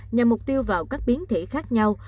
nhằm mục tiêu vào các biến thể khác nhau